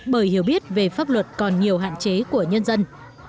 bởi hiểu biết về pháp luật còn nhiều hạn chế của nhân dân